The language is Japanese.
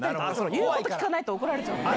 言うこと聞かないと、怒られちゃうんで。